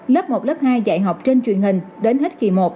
lớp một lớp hai dạy học trên truyền hình đến hết kỳ một